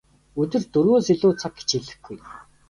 Өдөрт дөрвөөс илүү цаг хичээллэхгүй.